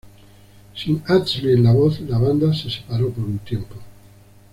Sin Astley en la voz, la banda se separó por un tiempo.